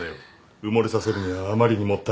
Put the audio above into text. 埋もれさせるにはあまりにもったいないからね。